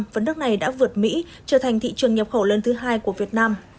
phần đất này đã vượt mỹ trở thành thị trường nhập khẩu lớn thứ hai của việt nam